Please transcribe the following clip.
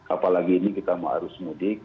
apalagi ini kita harus mudik